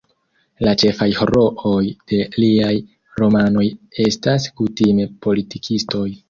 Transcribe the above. La ĉefaj herooj de liaj romanoj estas kutime politikistoj.